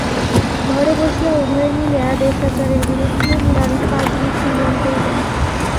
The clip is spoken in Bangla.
ঘরে বসিয়া উভয়ে মিলিয়া দেশাচারের বিরুদ্ধে নিদারুণ কাল্পনিক সংগ্রাম করিতেন।